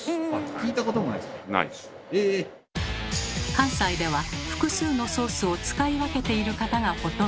関西では複数のソースを使い分けている方がほとんど。